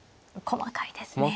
細かいですね。